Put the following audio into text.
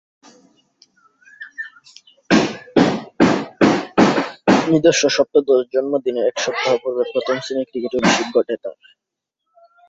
নিজস্ব সপ্তদশ জন্মদিনের এক সপ্তাহ পূর্বে প্রথম-শ্রেণীর ক্রিকেটে অভিষেক ঘটে তার।